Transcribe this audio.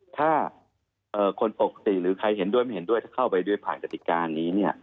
ถ้าคนปกติหรือใครเห็นด้วยไม่เห็นด้วยถ้าเข้าไปด้วยผ่านกติการนี้